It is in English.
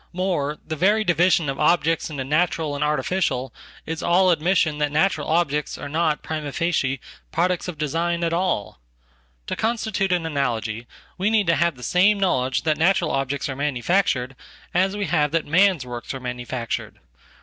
More, thevery division of objects into natural and artificial is alladmission that natural objects are not, prima facie, products ofdesign at all. To constitute an analogy we need to have the sameknowledge that natural objects are manufactured as we have thatman's works are manufactured.